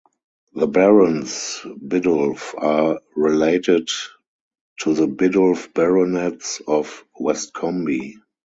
The Barons Biddulph are related to the Biddulph baronets of Westcombe.